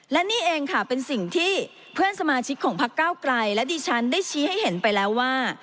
และนี่เองค่ะเป็นสิ่งที่เพื่อนสมาชิกของพักเก้าไกลและดิฉันได้ชี้ให้เห็นไปแล้วว่า